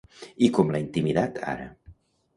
I com l'ha intimidat ara?